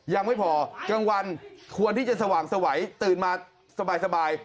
ยังไม่พอกลางวันควรที่จะสว่างสวัยตื่นมาสบาย